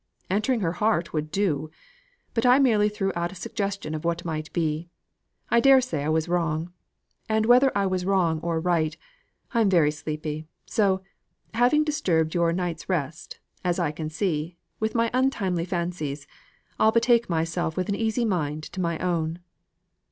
"Entering her heart would do. But I merely threw out a suggestion of what might be. I dare say I was wrong. And whether I was wrong or right, I'm very sleepy; so, having disturbed your night's rest (as I can see) with my untimely fancies, I'll betake myself with an easy mind to my own."